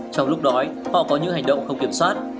trong lúc đó họ có những hành động không kiểm soát